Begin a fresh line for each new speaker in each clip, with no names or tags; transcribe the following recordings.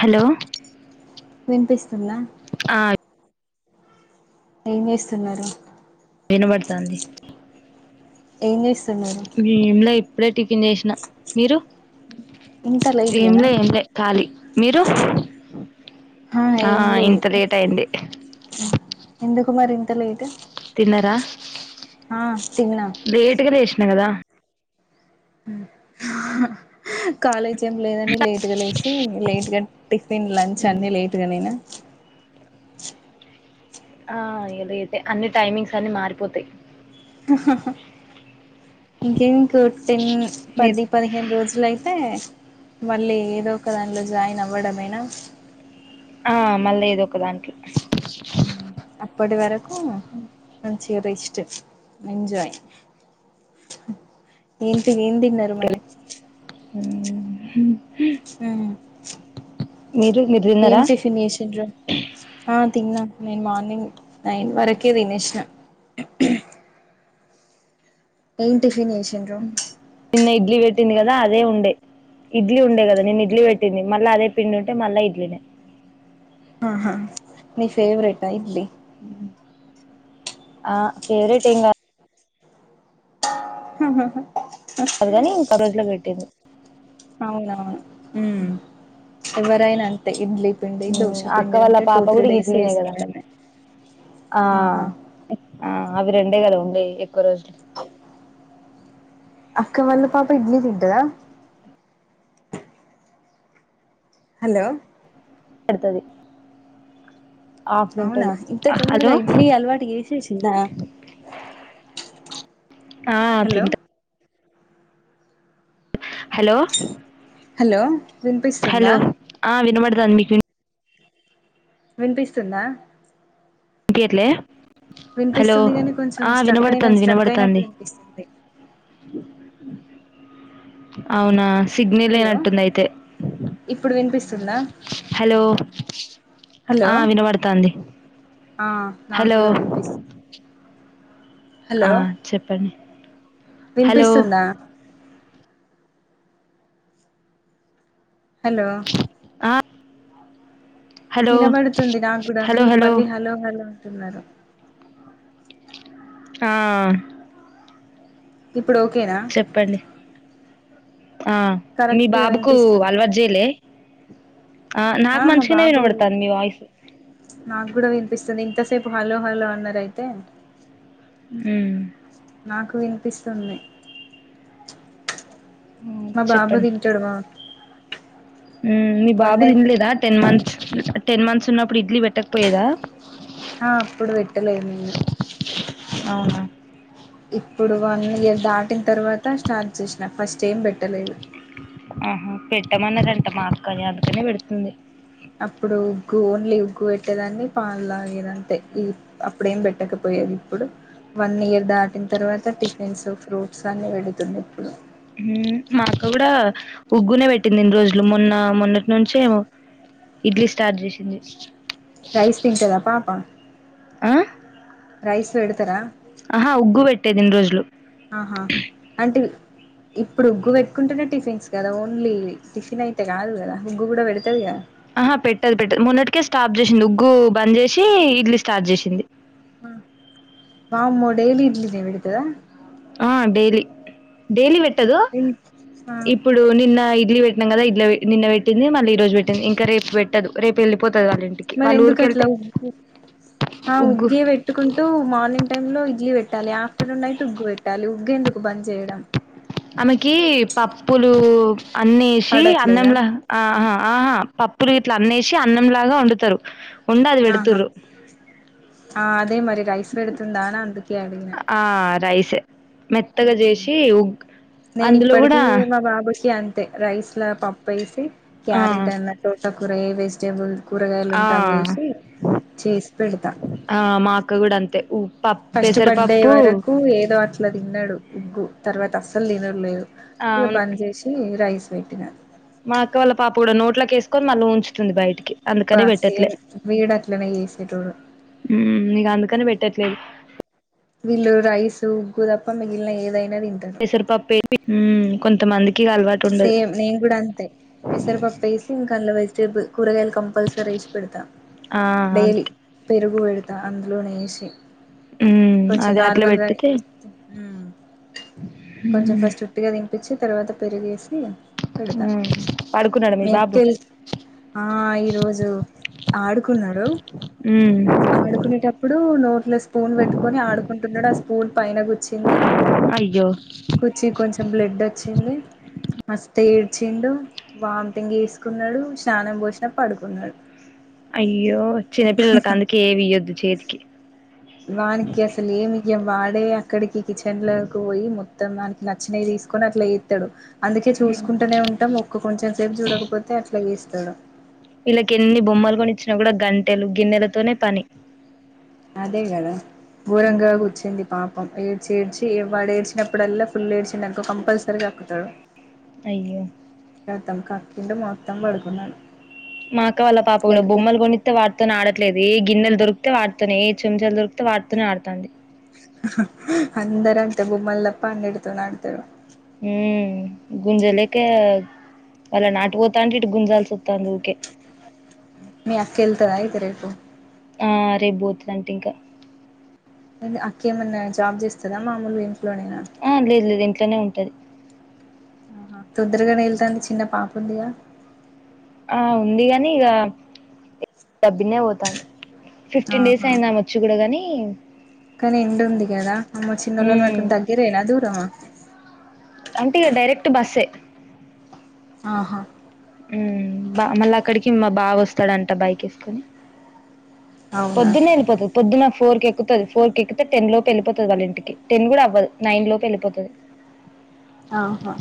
Hello
వినిపిస్తుందా?
ఆ ఇప్
ఏం చేస్తున్నరు?
వినబడతాంది
ఏ చేస్
ఏం లే ఇప్పుడే టి
ఇంత లేట్
ఏం
గనా
లే ఏం లే ఖాళీ. మీరు?
ఆ ఏం లేదు,
ఇంత లేట్ అయింది
ఎందుకు మరి ఇంత లేటు?
తిన్నరా?
ఆ తిన్నా
అంట గదా
ఆ కాలేజ్ ఏం లేదని లేట్గా లేసీ, లేట్గా టిఫిన్ లంచ్
ఉమ్.
అన్ని లేట్గా నేనా?
ఆ ఇగ రేపే అన్ని టైమింగ్స్ అన్ని మారిపోతయి
హ హ హ ఇంకే ఇంకో టెన్
మీరు
పది పదిహేను రోజులయితే మళ్ళీ ఏదో ఒక దానిలో జాయిన్ అవ్వడమేనా?
ఆ మళ్ళీ ఏదో ఒక దానికి.
అప్పటి వరకు చిగ రెస్ట్ ఎంజాయ్ ఏంటి ఏం తిన్నరు మరి?
హుమ్
ఉమ్
మీరు మీరు
ఏం
తిన్నారా
టిఫిన్ చేసింన్రు ఆహ్ తిన్నా. నేను మార్నింగ్ నైన్ వరకే తినేసిన. ఏం టిఫిన్ చేసింన్రు.
నిన్న ఇడ్లీ పెట్టింది కదా అదే ఉండే. ఇడ్లీ ఉండే కదా నిన్న ఇడ్లీ పెట్టింది మల్లా అదే పిండి ఉంటే మల్లా ఇడ్లీనే.
ఆహా మీ ఫేవరేటా ఇడ్లీ.
ఆహ్ ఫేవరెట్ ఏంకాదు.
హ హ హ.
కాదు కాని ఇంకా రోజులో పెట్టింది
అవునవును ఉమ్ ఎవరు. నేను అంతే ఇడ్లీ పిండి
మ్మ్ అక్క
దోశపిండి
వాళ్ళ
ఉంటే టూ త్రీ డేస్ లో వేసుకోవాలి మేం.
ఆహ్ ఆహ్ అవి రెండే కదా ఉండేవి.
అక్క వాళ్ళ పాప ఇడ్లీ తింటదా. హలో.
పడతాది.
అవునా ఇంత తొందరగా ఇడ్లీ అలవాటు చేసేసిందా.
ఆహ్
హలో
తింట. హలో
హలో వినిపిస్తుందా
హలో ఆహ్ వినబడు ర మితిన్
వినిపిస్తుందా.
వినిపియ్యట్లె. హలో
వినిపిస్తుంది కాని కొంచెం
ఆహ్
స్ట్రక్ అయిన
వినబడుతుంది
స్ట్రక్ అయినట్టు
వినబడుతుంది.
వినిపిస్తుంది
అవునా. సిగ్నల్
హలో
లేనట్టుంది అయితే
ఇప్పుడు వినిపిస్తుందా
హలో. ఆహ్ వినబడతాంది.
ఆహ్ నాకు
హలో
కూడా వినిపిస్తాంది.
ఆహ్ చెప్పండి. హలో
వినిపిస్తుందా. హలో.
ఆ హలో
వినబడుతుంది నాకు కూడా మీరు మళ్ళీ హలో హలో అంటున్నారు.
ఆహ్.
ఇప్పుడు ఓకేనా.
ఆహ్ మీ
కరెక్ట్ గా
బాబుకు
వినిపిస్తుందా
అలవాటు చేయలే. ఆహ్
ఆ
నాకు
మా
మంచిగానే
బాబు
వినబడుతుంది మీ వాయిసు.
నాకు కూడా వినిపిస్తుంది ఇంతసేపు హలో హలో అన్నారు అయితే.
ఉమ్.
నాకు వినిపిస్తుంది. మా బాబు
చెప్పండి
తింటాడు బాగా.
మీ బాబు తినలేదా టెన్ మంత్స్ టెన్ మంత్స్ ఉన్నప్పుడు ఇడ్లీ పెట్టకపోయేదా.
ఆహ్ అప్పుడు పెట్టలేదు నేను.
అవునా.
ఇప్పుడు వన్ ఇయర్ దాటిన తర్వాత స్టార్ట్ చేసిన ఫస్ట్ ఏం పెట్టలేదు.
ఆహా పెట్టమన్నదంట మా అక్కా అందుకనే పెడుతుంది.
అప్పుడు ఉగ్గు ఓన్లీ ఉగ్గు పెట్టేదాన్ని పాలులాగేదంతే ఈ అప్పుడేం పెట్టకపోయేది. ఇప్పుడు వన్ ఇయర్ దాటిన తర్వాత టిఫిన్స్ ఫ్రూట్స్ అన్ని పెడుతుంది ఇప్పుడు.
ఉమ్ మా అక్క కూడా ఉగ్గునే పెట్టింది ఇన్ని రోజులు మొన్న మొన్నటి నుంచేమో. ఇడ్లీ స్టార్ట్ చేసింది
రైస్ తింటదా పా పా
ఆ
రైస్ పెడతరా
ఆహా ఉగ్గు పెట్టేదిన్నిరోజులు
ఆహా అంటే ఇప్పుడు ఉగ్గు పెట్టుకుంటేనే టిఫిన్స్ కదా ఓన్లీ టిఫిన్ అయితే కానదు కదా ఉగ్గు కూడా పెడతది కదా
ఆహా పెట్టదు పెట్టదు మొన్నటికే స్స్టాప్ చేసింది ఉగ్గు బంద్ చేసి ఇడ్లీ స్టార్ట్ చేసింది
వామ్మో డైలీ ఇడ్లీ నే పెడ్తదా
ఆ డైలీ డైలీ పెట్టదు
ఆ,
ఇప్పుడు నిన్న ఇడ్లి పెట్టం కదా ఇ నిన్న పెట్టి మళ్ళీ ఈ రోజు పెట్టిందింకా రేపు పెట్టదు వెళ్ళిపోతది వాళ్ళ ఇంటికి
మరి
వాళ్ళ
ఎందుకు అట్లా
ఊరికెళ్తే
ఉగ్గు ఆ
ఉగ్గు
ఉగ్గే పెట్టుకుంటూ మార్నింగ్ టైమ్ లో ఇడ్లీ పెట్టాలి ఆఫ్టర్నూన్ నైట్ ఉగ్గు పెట్టాల పెట్టాలి ఉగ్గేందుకు బంద్ చేయడం
ఆమెకి పప్పులు అన్నేసి
పడట్లేదా
అన్నంలా ఆా ఆహా పప్పులు ఇట్లా అన్నేసి అన్నంలాగా వండుతారు ఉండి అది
ఆహా
పెడుతుర్ర
ఆ అదే మరి రైస్ ఎడుతుందా అందుకే అడిగిన
ఆ రైసే మెత్తగా
ఉహు
చేసి ఉగ్
నేను
అందులో
ఇప్పటికి
కూడా
మా బాబుకి అంతే రైస్ ల పప్పు వేసి
ఆ
క్యారెట్ అన్న తో టకూరగాయ వెజిటేబుల్ కూరగాయలు
ఆ
ఉంటా వేసి చేసి పెడతా
గూడా అంతే ఉఊ
ఫస్ట్ బర్త్డే వరకు ఏదో అట్ ఇట్లా తిన్నడు ఉగ్గు తర్వాత అస్సలు తినట్లేదు
ఆ
ఇక
అవును
బంద్ చేసి రైస్ పెట్టిన
మా అక్క వాళ్ళ పాప కూడా నోట్లకేసుకొని మళ్ళీ ఉంచుంది బయట
అబ్బా సేమ్ వీడ అట్లనే చేసేటోడు
ఇగ అందుకనే పెట్టట్లేదు
విల్లు రైస్ ఉగ్గు తప్ప మగిలినా ఏదై
పెసరిపప్పే ఉ కొంతమందికి ఇగ అలవాటు ఉండదు
సేమ్ నేను కూడా అంతే పెసరపప్పు వేసి ఇంకా అందు వెజిటేబుల్ కూరగాయలు కంపల్సరీసి పెడతా
ఆ
డైలీ
అంతే
పెరుగు పెడతా అందులోనే వేసి
ఉమ్
కొంచెం
అదే అట్లా
నార్మల్ గా
పెట్టితే
కొంచెం
ఉమ్
ఫస్ట్ ఉట్టిగా దినిపచ్చి తర్వాత పెరుగేసి
మ్మ్
మీ అక్కలు ఆ ఈరోజు ఆడుకున్నాడు
ఉమ్
ఆడుకునేటప్పుడు నోట్లో స్పూన్ పెట్టుకొని ఆడు ంటున్నాడు ఆ స్పూన్ పైన కీచ్చింది
అయ్యో
కుచ్చి కొంచెం బ్లెడ్ వచ్చింది మస్త్ ఏడ్చిండు వామిటింగ్ చేసుకున్నాడు స్నానం పోషణ పడుకున్నాడు
అయ్యో చిన్నపిల్లలలకు అందుకే ఏవి ఇయ్యొద్దు చేతికి
వానికి అసలు ఏమి ఇయ్యం వాడే అక్కడికి కిచెన్ లోకి పోయి మొత్తం వానికి నచ్చినవి తీసుకొని అట్లా ఎస్తాడు అందుకే చూసుకుంటూనే ఉంటాం ఒక్క కొంచెం సేపు చూడకపోతే అట్లా చేస్తాడు
ఇల్ల కి ఎన్ని బొమ్మలు కొని ఇచ్చినా కూడా గంటెలు గిన్నెలతోనే పని
అదే కదా బూరంగా
ఉమ్
కుచింది పాపం ఏ చేడ్చి వాడ ఏడ్చినప్పుడల్లా ఫుల్ ఏడ్చిన్ డనుకో కంపల్సరీగా కక్కుతాడు
అయ్యో
కతం కక్కీడూ మొత్తం పడుకునాడు
మా అక్క వాళ్ళ పాప కూడా బొమ్మలు కొనితే వాటితో ఆడట్లేదు గిన్నెలు దొరికితే వాటీతోనే ఏ చెంచాలు దొరికితే వాటీతోనే ఆడుతాంది
అందర అంతే బొమ్మలతో తప్ప అన్నిడి తో ఆడతారు
హ్మ్ గుంజలేక అళ్ళ నాటు పోతా అంటె ఇటు గుంజాల్సీ వస్తాంది ఊకే
మీ అక్క వెళ్తాద అయితే రేపు
ఆ రేపు పోతుందంట ఇంకా
అక్క ఏమన్నా జాబ్ చేస్తారా మామూలుగా ఇంట్లోనే
ఆ లేదు లేదు ఇంట్లోనే ఉంటది
ఆ పొద్దుగాల్నే వెళ్తాంది చిన్న పాపుందిగా
ఆ ఉంది గాని ఇక పొద్దున్నే పోతాంది ఫిఫ్టీన్ డేస్
ఆహా
అయిందామే వచ్చి కూడా కాని
కానీ ఎండ ఉంది కదా అమ్మ చిన్నోళ్ళనీ పట్టుకుని దగ్గరేనా దూరమా
ఆంటీగా డైరెక్ట్ బస్ ఏ
ఆహా
బావా వస్తాడంట బైక్ వేసుకొని
అవునా
పొద్దున్న వెళ్ళిపోతుంది పొద్దున్న ఫోర్ కి ఎక్కుతది ఫోర్ కి ఎక్కితే టెన్ లోపూ వెళ్ళిపోతుంది వాళ్ళ ఇంటికి టెన్ కూడా అవ్వదు నైన్ లోపూ వెలిపోతది
ఆహా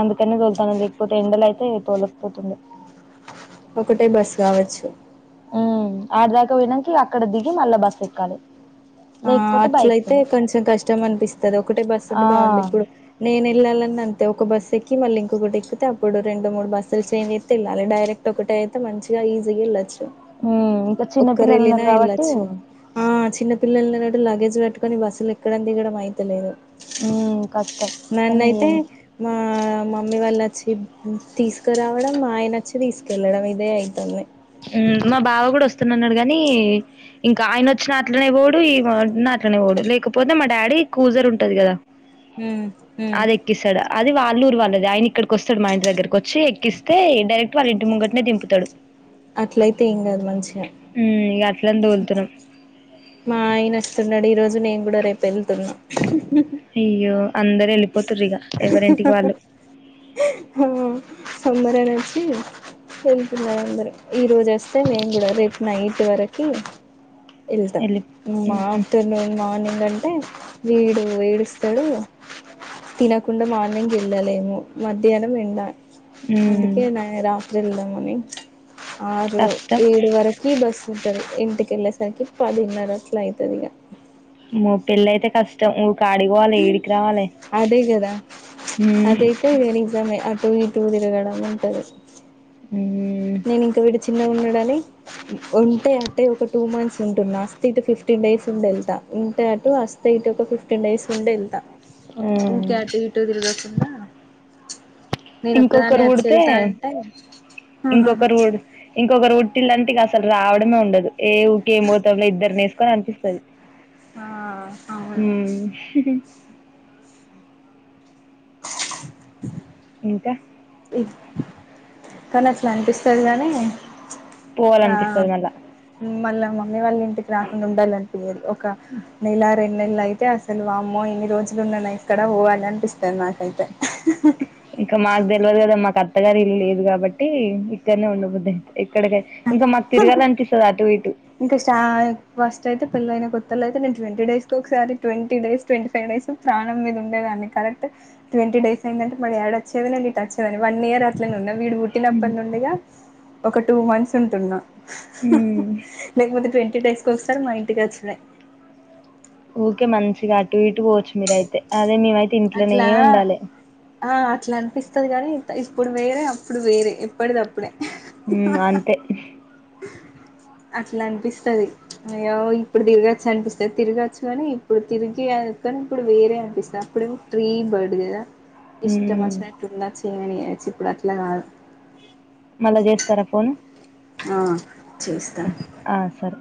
అందుకనే తోలుతాను లేకపోతే ఎండల అయితే తోలకపోతుండే
ఒకటే బస్ కావచ్చు
ఉమ్ ఆడదాకా పోయినాక అక్కడ దిగి మళ్ళా బస్ ఎక్కాలి
ఆ
లేకపోతే బైక్
అట్లయితే
మీద
కొంచెం కష్టం అనిపిస్తుంది ఒకటే బస్సు
ఆ
అంటే బాగుండు ఇప్పుడు నేను వెళ్ళాలన అంత ఒక బస్ ఎక్కి మళ ఇంకొకటి ఎక్కితే అప్పుడు రెండు మూడు బస్సుస్ ఎక్కి వెళలి డైరెక్ట్ ఒకటి అయితే మంచిగా ఈసీ గా ఎల్లోచు
ఉమ్ ఇంకా
ఒక్కరు
చిన్నపిల్లలు
ఏళ్ళిన
ఉన్నారు కాబట్టి
ఎల్లోచు పిల్లలని లగేజ్ పెట్టుకని బస్సులు ఎక్కడ దిగడం అయితలేదు
ఉమ్ కష్టం కానీ
నన్నయితే
ఏం
మా మమ్మీ వాళ్ళు వచ్చి తీసుకురావడం మా ఆయన వచ్చి తీసుకెళ్ళడం ఇదే అవుతుంది
మా బావ కూడా వస్తున్నాన్నాడు కాగాని ఇంకా ఆయన వచ్చిన అట్లనే పోవుడు అట్లనే పోవుడు లేకపోతే మా డాడీ కూజర్ ఉంటది కదా
హ్మ్ హ్మ్
అది ఎక్కిస్తాడు అది వాళ్ళూరు వాళ్ళది ఆయన ఇక్కడికి వస్తాడు మా ఇంటి దగ్గరకు వచ్చి ఎక్కిస్తే డైరెక్ట్ వాళ్ళ ఇంటి ముంగటినే దింపుతాడు
అట్లయితే ఏం కాదు మంచిగా
మ్మ్ ఇగ అట్లనే తోలుతున్నాం
మా ఆయన వస్తున్నాడు ఈ రోజు నేను కూడా రేపు వెళ్తున్నా
అయ్యో అందరు వెళ్ళిపోతురు ఇగ ఎవరింటికి వాళ్ళు
పండగకి వచ్చి వెళ్తున్నారు అందర ఈ రోజు వస్తే మేము కూడా రేపు నైట్ ఇటి వరకు వెళ్తాం
వెళ్ళి మ్మ్
ఆఫ్టర్నూన్ మార్నింగ్ అంటే వీడు ఏడుస్తాడు తినకుండ మార్నింగ్ వెళ్ళలేము మధ్యాహ్నం ఎండ
మ్మ్
అందుకే న రాత్రి వెళ్దామని ఆరూ
కష్టం
ఏడు వరకి బస్ ఉంటది ఇంటికి వెళ్ళేసరికి పదిన్నర అట్లా అయితది ఇగ
మా పెల్లి అయితే కష్టం ఆడికి పోవాలే
హ్
ఈడికి రావాలే
అదే కదా
మ్మ్
అదైతే నిజమే అటు ఇటు అటు ఇటు తిరగడం ఉంటది
మ్మ్
నేను ఇంకా వీడు చిన్నగా ఉన్నడని ఉంటే అంటే ఒక టూ మంత్స్ ఉంటున్నా అస్త ఇటు ఫిఫ్టీన్ డేస్ ఉండేళ్తా ఉంటే అటు అస్తే ఇటు ఒక ఫిఫ్టీన్ డేస్ ఉండేళ్తా
మ్మ్
ఉకే అటు ఇటు తిరగకుండా నేను ఒక్కదాన్ని
ఇంకొకరు
అచ్చి
పుడితే
ఏళ్తా అంటే ఆహాహా
ఇంకొకరు పుడు ఇంకొకరు పుట్టిల్లఅంటే ఇగ అసలు రావడమే ఉండదు ఏ ఊకేమి పోతావులే ఇద్దరునేసుకొని అనిపిస్తది
ఆ అవును
ఉమ్ ఇంకా
కానీ అట్ల అనిపిస్తది గాని
పోవాలీ అనిపిస్తది మల్ల
మళ్ళా మమ్మీ వాళ్ళిఇంటికి రాకుండా ఉండాలనిపియది ఒక నెల రెండు నెల్లు అయితే అయితే అసలు వామ్మో ఇన్ని రోజులు ఉన్ననా ఇక్కడ పోవాలీ అనిపిస్తది నాకైతే
ఇంకా మాకు తెల్వదు కదా మాకు అత్తగారు ఇల్లు లేదు కాబట్టి ఇక్కడనే ఉండబుద్ధి అయితది ఇక్కడికి ఇంకా మాకు తిరగాలనిపిస్తది అటు ఇటు
అసలైతే నేను ట్వంటీ డేస్ ఒకసారి twenty days twenty five days ప్రాణం మీద ఉండేదన్ని కరెక్ట్ ట్వంటీ డేస్ అయిందటే మా డాడీ వచ్చేది నేను ఎటాచ్చే దాన్ని వన్ ఇయర్ అట్లానే ఉన్న వీడు పుట్టినప్పటి నుండిగా ఒక టూ మంత్స్ ఉంటున్నా
ఉమ్
లేకపోతే ట్వంటీ డేస్ ఒకసారి మా ఇంటికి వచ్చుడే
ఊకే మంచిగా అటు ఇటు పోవచ్చుమీరయితే అదే మేమయితే ఇంట్లోనే
అట్లా
ఉండాలే
ఆ అట్లా అనిపిస్తది కానీ ఇప్పుడు వేరే అప్పుడు వేరే ఎప్పటిది అప్పుడే
ఉమ్ అంతే
అట్లా అనిపిస్తది అయ్యో ఇప్పుడు తిరగచ్చు అనిపిస్తది తిరగచ్చు కానీ ఇప్పుడు తిరిగి ఎందుకని ఇప్పుడు వేరే అనిపిస్తాది అప్పుడేమో ఫ్రీ బర్డ్ కదా ఇష్టం
ఉమ్
వచ్చినట్టు ఉండొచ్చు ఏమైనా చేయొచ్చు ఇప్పుడు అట్లా కాదు
మళ్ళా చేస్తారా ఫోను ఆ సరే